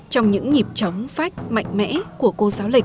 trong những nhịp chóng phách mạnh mẽ của cô giáo lịch